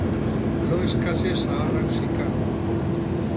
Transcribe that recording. Lo eskasez aharrausika.